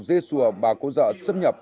dê xùa và cố dận xâm nhập